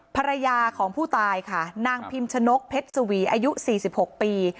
ภรรยาของผู้ตายค่ะนางพิมชนกเพ็ดสวีอายุสี่สิบหกปี